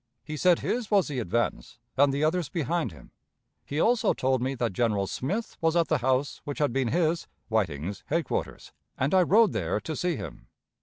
He said his was the advance, and the others behind him. He also told me that General Smith was at the house which had been his (Whiting's) headquarters, and I rode there to see him.